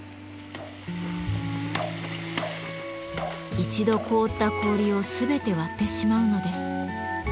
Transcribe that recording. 一度凍った氷を全て割ってしまうのです。